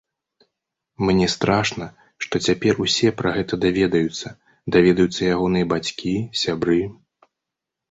Мне страшна, што цяпер усе пра гэта даведаюцца, даведаюцца ягоныя бацькі, сябры.